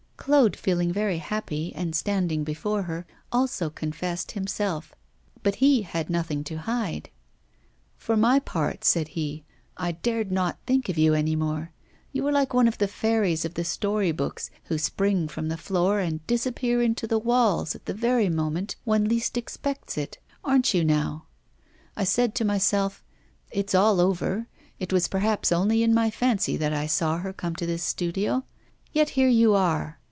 Claude, feeling very happy and standing before her, also confessed himself, but he had nothing to hide. 'For my part,' said he, 'I dared not think of you any more. You are like one of the fairies of the story books, who spring from the floor and disappear into the walls at the very moment one least expects it; aren't you now? I said to myself, "It's all over: it was perhaps only in my fancy that I saw her come to this studio." Yet here you are.